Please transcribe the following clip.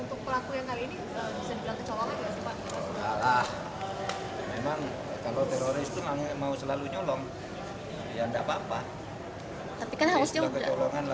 untuk pelaku yang kali ini bisa dibilang kecolongan ya